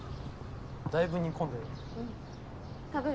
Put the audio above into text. だいぶ煮込んでる？